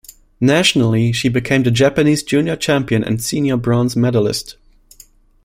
Nationally, she became the Japanese junior champion and senior bronze medalist.